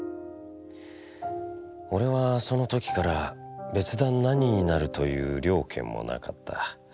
おれはその時から別段何になるという了見もなかった。